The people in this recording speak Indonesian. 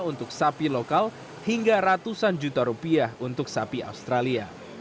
untuk sapi lokal hingga ratusan juta rupiah untuk sapi australia